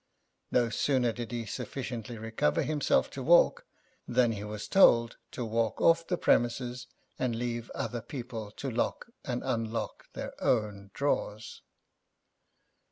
No sooner did he sufficiently recover himself to walk, than he was told to walk off the premises, and leave other people to lock and unlock their own drawers.